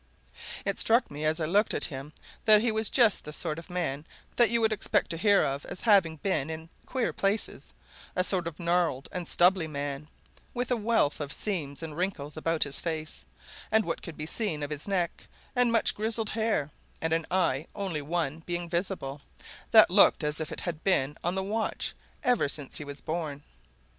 It struck me as I looked at him that he was just the sort of man that you would expect to hear of as having been in queer places a sort of gnarled and stubbly man, with a wealth of seams and wrinkles about his face and what could be seen of his neck, and much grizzled hair, and an eye only one being visible that looked as if it had been on the watch ever since he was born.